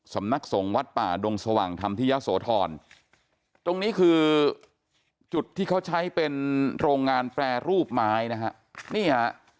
สำนักสงฆ์วัดป่าโดงสว่างทำธิยะโสถรตรงนี้คือจุดที่เขาใช้เป็นโรงงานแปรรูปไม้